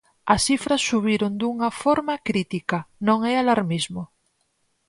As cifras subiron dunha forma crítica, non é alarmismo.